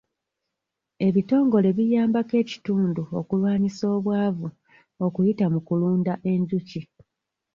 Ebitongole biyambako ekitundu okulwanyisa obwavu okuyita mu kulunda enjuki.